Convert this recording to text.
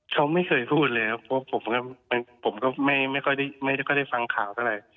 เขาไม่เคยพูดเลยครับเพราะผมก็ไม่ค่อยได้ฟังข่าวเท่าไหร่